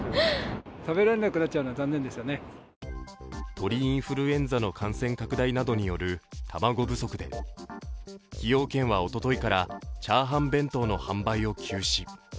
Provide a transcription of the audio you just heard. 鳥インフルエンザの感染拡大などによる卵不足で崎陽軒はおとといから炒飯弁当の販売を休止。